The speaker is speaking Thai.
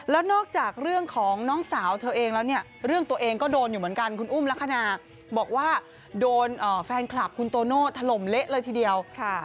แล้วนอกจากเรื่องของน้องสาวเธอเองแล้ว